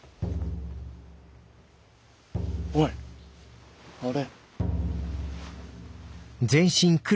おいあれ。